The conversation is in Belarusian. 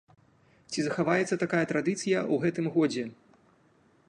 Ці захаваецца такая традыцыя і ў гэтым годзе?